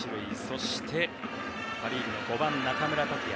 そしてパ・リーグの５番中村剛也。